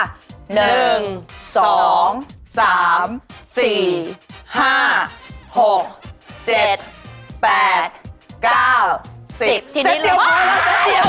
เซ็ตเดียวพอแล้วเซ็ตเดียว